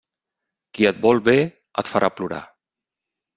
Qui et vol bé, et farà plorar.